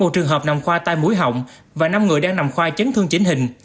một trường hợp nằm khoa tai mũi họng và năm người đang nằm khoa chấn thương chính hình